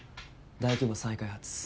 大規模再開発。